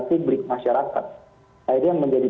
fibrik masyarakat jadi yang menjadi